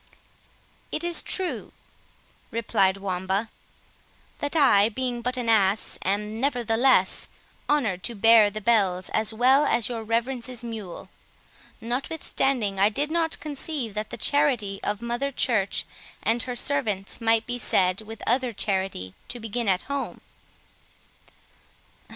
"It is true," replied Wamba, "that I, being but an ass, am, nevertheless, honoured to hear the bells as well as your reverence's mule; notwithstanding, I did conceive that the charity of Mother Church and her servants might be said, with other charity, to begin at home."